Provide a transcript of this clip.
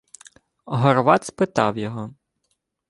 Горват спитав його: